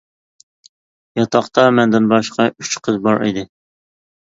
ياتاقتا مەندىن باشقا ئۈچ قىز بار ئىدى.